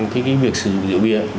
thì cái việc sử dụng rượu bia